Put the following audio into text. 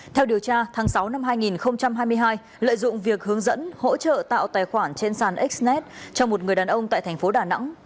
theo điều tra tháng sáu năm hai nghìn hai mươi hai lợi dụng việc hướng dẫn hỗ trợ tạo tài khoản trên sàn xnet cho một người đàn ông tại thành phố đà nẵng